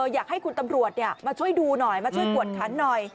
อยากให้คุณตำรวจมาช่วยดูหน่อยมาช่วยกวดขันหน่อย